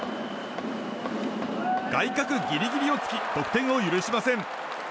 外角ギリギリを突き得点を許しません。